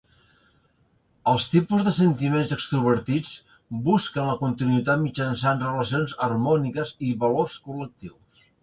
Els tipus de sentiments extrovertits busquen la continuïtat mitjançant relacions harmòniques i valors col·lectius.